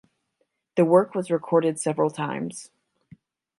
The work was recorded several times.